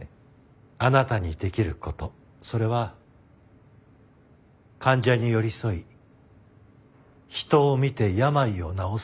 あなたにできる事それは患者に寄り添い人を見て病を治す医者に戻る事。